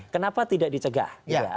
kenapa tidak dicegah